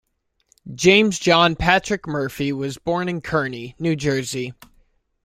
James John Patrick Murphy was born in Kearny, New Jersey.